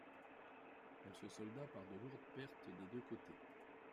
Elle se solda par de lourdes pertes des deux côtés.